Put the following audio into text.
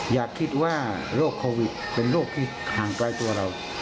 อย่าคิดว่าโรคโควิดเป็นโรคที่ห่างไกลตัวเรา